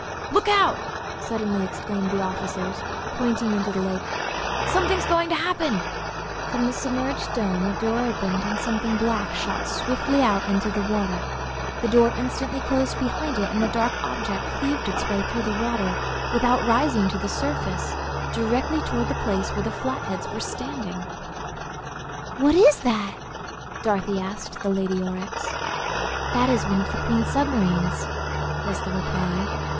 "Look out!" suddenly exclaimed the officers, pointing into the lake; "something's going to happen." From the submerged dome a door opened and something black shot swiftly out into the water. The door instantly closed behind it and the dark object cleaved its way through the water, without rising to the surface, directly toward the place where the Flatheads were standing. "What is that?" Dorothy asked the Lady Aurex. "That is one of the Queen's submarines," was the reply.